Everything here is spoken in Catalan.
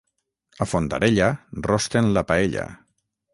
A Fondarella rosten la paella.